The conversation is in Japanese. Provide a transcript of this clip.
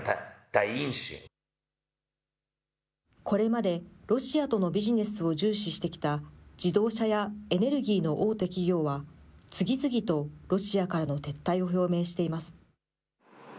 これまでロシアとのビジネスを重視してきた自動車やエネルギーの大手企業は、次々とロシアからの撤退を表明しています。